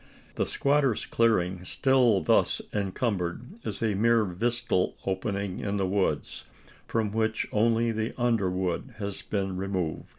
The squatter's clearing, still thus encumbered, is a mere vistal opening in the woods, from which only the underwood has been removed.